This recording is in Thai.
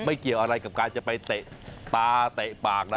เกี่ยวอะไรกับการจะไปเตะตาเตะปากนะ